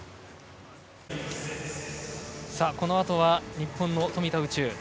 このあとは日本の富田宇宙。